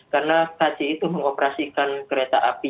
karena kci itu mengoperasikan kereta api